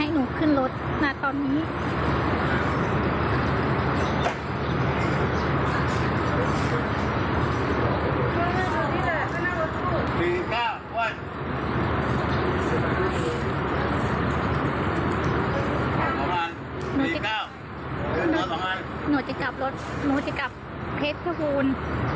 หนูจะกลับเพชรบูรณ์